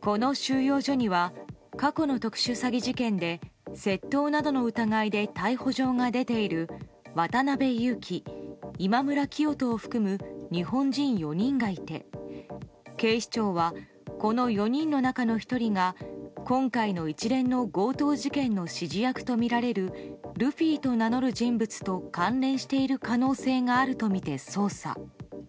この収容所には過去の特殊詐欺事件で窃盗などの疑いで逮捕状が出ているワタナベ・ユウキイマムラ・キヨトを含む日本人４人がいて警視庁はこの４人の中の１人が今回の一連の強盗事件の指示役とみられるルフィと名乗る人物と関連している可能性があるとみて捜査。